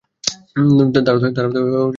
তারা তো শুধু বকে।